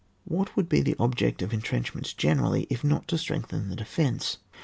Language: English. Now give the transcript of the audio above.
What would be the object of entrenchments generally, if not to strengthen the defence?